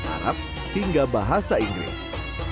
arab hingga bahasa inggris